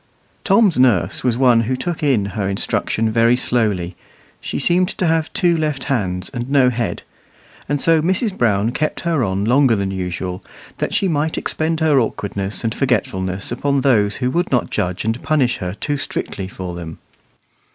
Tom's nurse was one who took in her instruction very slowly she seemed to have two left hands and no head; and so Mrs. Brown kept her on longer than usual, that she might expend her awkwardness and forgetfulness upon those who would not judge and punish her too strictly for them.